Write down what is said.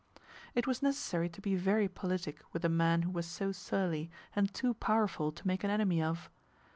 It was necessary to be very politic with a man who was so surly, and too powerful to make an enemy of.